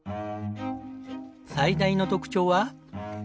最大の特徴は。